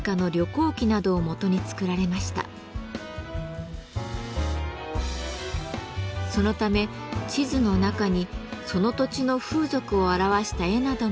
そのため地図の中にその土地の風俗を表した絵なども描き込まれています。